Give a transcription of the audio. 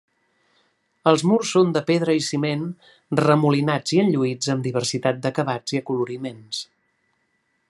Els murs són de pedra i ciment, remolinats i enlluïts amb diversitat d'acabats i acoloriments.